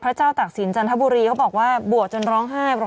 พระเจ้าต่างสินจันทบุรีเขาบอกว่า๑๕ร้อย๖๐